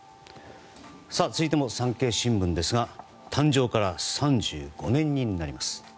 続いても産経新聞ですが誕生から３５年になります。